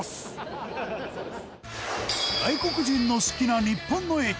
外国人の好きな日本の駅